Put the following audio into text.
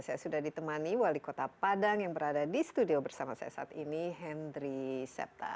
saya sudah ditemani wali kota padang yang berada di studio bersama saya saat ini henry septa